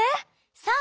そう。